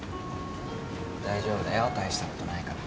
大丈夫だよ大したことないから。